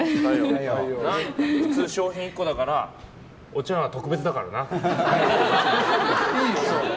普通商品１個だからお茶碗特別だからな。